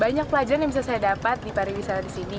banyak pelajaran yang bisa saya dapat di pariwisata di sini